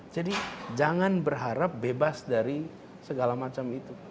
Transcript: jadi jangan berharap bebas dari segala macam itu